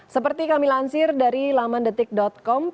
seperti kami lansir dari lamandetik com